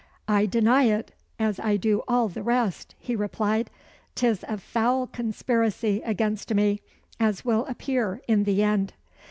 "I deny it, as I do all the rest," he replied. "'Tis a foul conspiracy against me, as will appear in the end."